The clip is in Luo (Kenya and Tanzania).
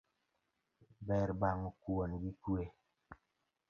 Ber bang'o kuon gi kwe.